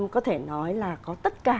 có thể nói là có tất cả